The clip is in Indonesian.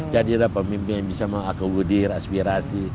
jadilah pemimpin yang bisa mengakomodir aspirasi